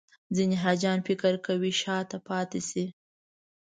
ځینې حاجیان فکر کوي شاته پاتې شي.